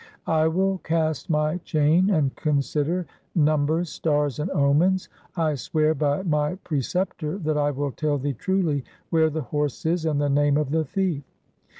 I will cast my chain and consider numbers, stars, and omens. I swear by my preceptor that I will tell thee truly where the horse is and the name of the thief.